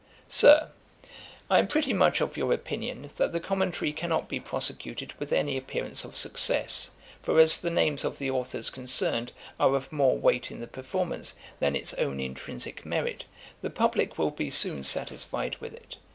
] 'SIR, 'I am pretty much of your opinion, that the Commentary cannot be prosecuted with any appearance of success; for as the names of the authours concerned are of more weight in the performance than its own intrinsick merit, the publick will be soon satisfied with it.